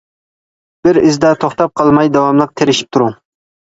بىر ئىزدا توختاپ قالماي داۋاملىق تىرىشىپ تۇرۇڭ.